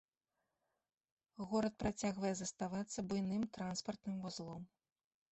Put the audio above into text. Горад працягвае заставацца буйным транспартным вузлом.